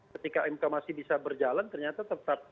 ketika mk masih bisa berjalan ternyata tetap